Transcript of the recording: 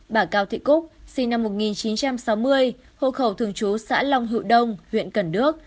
bà cao thị cúc sinh năm một nghìn chín trăm sáu mươi hộ khẩu thường chú xã long hữu đông huyện cần đước